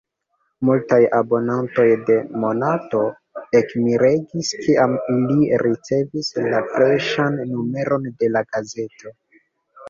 Multaj abonantoj de Monato ekmiregis, kiam ili ricevis la freŝan numeron de la gazeto.